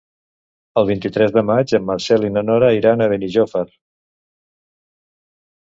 El vint-i-tres de maig en Marcel i na Nora iran a Benijòfar.